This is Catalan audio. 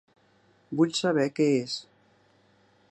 Vull saber què és.